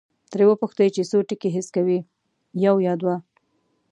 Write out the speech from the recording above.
ترې وپوښتئ چې څو ټکي حس کوي، یو یا دوه؟